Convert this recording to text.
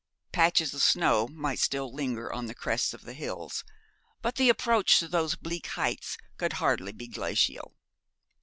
Patches of snow might still linger on the crests of the hills but the approach to those bleak heights could hardly be glacial.